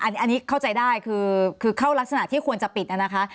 อันนี้เข้าใจได้คือเข้ารักษณะที่ควรจะปิดนะคะ